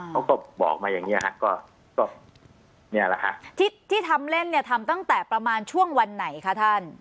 เขาก็บอกมาอย่างเงี้ฮะก็เนี่ยแหละค่ะที่ที่ทำเล่นเนี่ยทำตั้งแต่ประมาณช่วงวันไหนคะท่าน